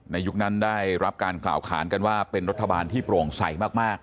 ยุคนั้นได้รับการกล่าวขานกันว่าเป็นรัฐบาลที่โปร่งใสมาก